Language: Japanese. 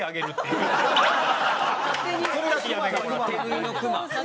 手縫いのクマ。